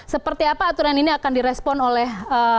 seperti apa aturan ini akan direspon oleh